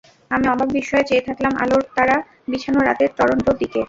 আমি অবাক বিস্ময়ে চেয়ে থাকলাম আলোর তারা বিছানো রাতের টরন্টোর দিকে।